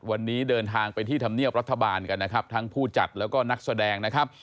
วันนี้เดินทางไปที่ธรรมเนียบรัฐบาลกันนะครับทั้งผู้จัดแล้วก็นักแสดงนะครับ